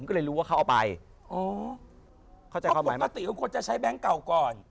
ก็เลยรู้ว่าเขาเอาไปอ๋อพอปกติคุณควรจะใช้แบงค์เก่าก่อน